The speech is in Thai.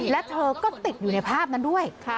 และเธอก็ติดอยู่ในภาพนั้นด้วย